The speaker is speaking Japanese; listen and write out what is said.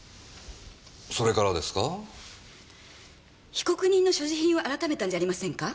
被告人の所持品を検めたんじゃありませんか？